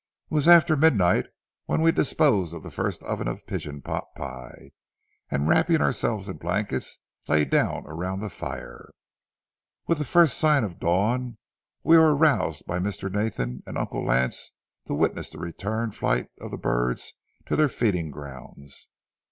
'" It was after midnight when we disposed of the first oven of pigeon pot pie, and, wrapping ourselves in blankets, lay down around the fire. With the first sign of dawn, we were aroused by Mr. Nathan and Uncle Lance to witness the return flight of the birds to their feeding grounds.